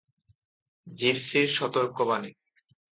জিপসির সতর্কবাণী।